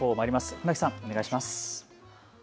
船木さん、お願いします。